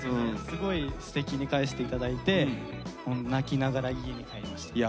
すごいすてきに返して頂いて泣きながら家に帰りましたね。